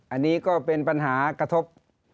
อันนี้ก็เป็นปัญหากระทบ